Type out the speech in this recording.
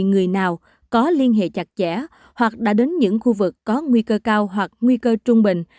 người nào có liên hệ chặt chẽ hoặc đã đến những khu vực có nguy cơ cao hoặc nguy cơ trung bình